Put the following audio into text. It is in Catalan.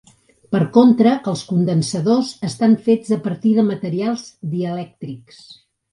Per contra, els condensadors estan fets a partir de materials dielèctrics.